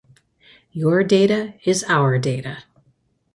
Your data is our data.